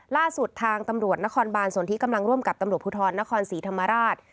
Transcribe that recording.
ล่าสุดทางตำรวจนครบานส่วนที่กำลังร่วมกับตำรวจภูทรนครศรีธรรมราช